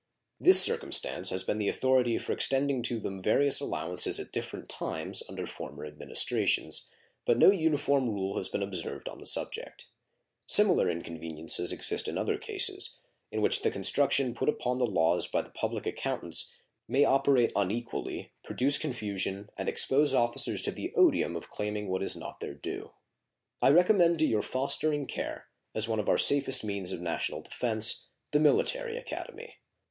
This circumstance has been the authority for extending to them various allowances at different times under former Administrations, but no uniform rule has been observed on the subject. Similar inconveniences exist in other cases, in which the construction put upon the laws by the public accountants may operate unequally, produce confusion, and expose officers to the odium of claiming what is not their due. I recommend to your fostering care, as one of our safest means of national defense, the Military Academy.